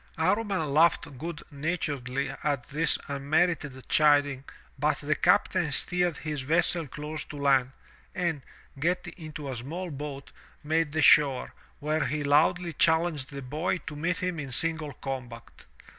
*' Amman laughed good naturedly at this unmerited chiding but the captain steered his vessel close to land, and, getting into a small boat, made the shore, where he loudly challenged the boy to meet him in single combat.